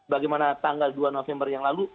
bagaimana tanggal dua november yang lalu